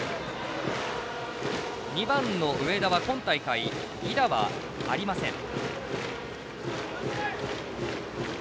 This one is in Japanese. ２番の上田は今大会犠打はありません。